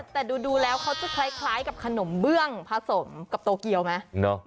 แต่ดูแล้วเขาจะคล้ายกับขนมเบื้องผสมกับโตเกียวไหม